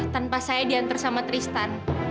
tanpa saya diantar sama tristan